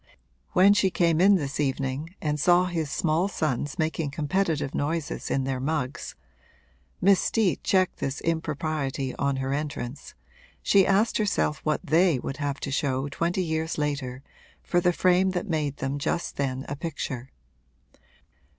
When she came in this evening and saw his small sons making competitive noises in their mugs (Miss Steet checked this impropriety on her entrance) she asked herself what they would have to show twenty years later for the frame that made them just then a picture.